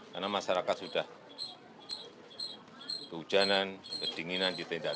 karena masyarakat sudah berhujanan kedinginan ditindak